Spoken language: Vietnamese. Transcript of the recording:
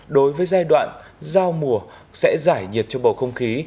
đối với giai đoạn giao mùa sẽ giải nhiệt cho bầu không khí